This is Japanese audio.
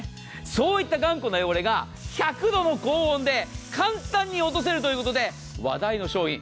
そういった頑固な汚れが１００度の高温で簡単に落とせるということで話題の商品。